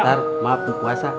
ntar mak berpuasa